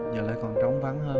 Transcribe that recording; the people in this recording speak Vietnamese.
giờ lại còn trống vắng hơn